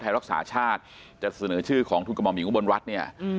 ไทยรักษาชาติจะเสนอชื่อของทุกรหมัมหิวบรรรย์รัฐเนี่ย